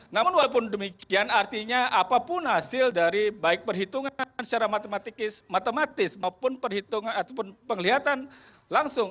namun walaupun demikian artinya apapun hasil dari baik perhitungan secara matematis maupun perhitungan ataupun penglihatan langsung